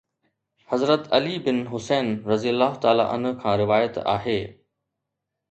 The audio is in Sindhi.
حضرت علي بن حسين رضي الله عنه کان روايت آهي.